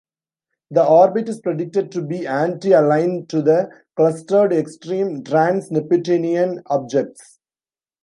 The orbit is predicted to be anti-aligned to the clustered extreme trans-Neptunian objects.